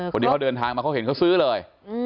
ตอนนี้เขาเดินทางมาเขาก็เห็นซื้อเลย